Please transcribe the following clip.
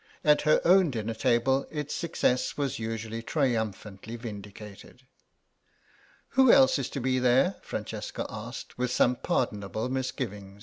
At her own dinner table its success was usually triumphantly vindicated. "Who else is to be there?" Francesca asked, with some pardonable misgiving.